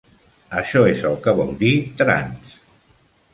Això és el que vol dir "Trans".